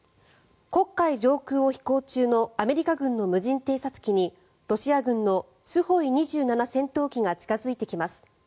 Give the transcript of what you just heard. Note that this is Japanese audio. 黒海上空を飛行中のアメリカ軍の無人偵察機にロシア軍のＳｕ２７戦闘機が近付いてきます。